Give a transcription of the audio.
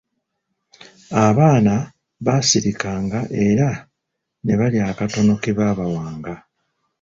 Abaana baasirikanga era ne balya akatono ke baabawanga.